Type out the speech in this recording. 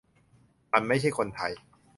มันไม่ใช่คนไทย